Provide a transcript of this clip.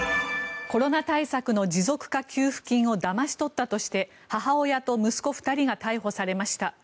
コロナ対策の持続化給付金をだまし取ったとして母親と息子２人が逮捕されました。